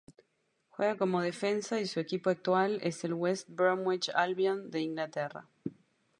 Juega como defensa y su equipo actual es el West Bromwich Albion de Inglaterra.